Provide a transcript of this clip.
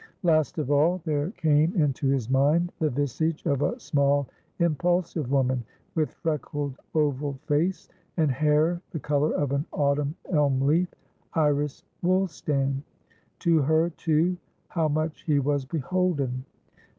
Last of all there came into his mind the visage of a small, impulsive woman, with freckled oval face, and hair the colour of an autumn elm leaf, Iris Woolstan; to her, too, how much he was beholden.